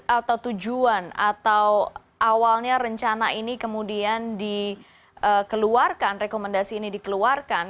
atau tujuan atau awalnya rencana ini kemudian dikeluarkan rekomendasi ini dikeluarkan